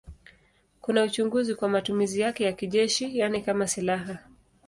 Kuna uchunguzi kwa matumizi yake ya kijeshi, yaani kama silaha.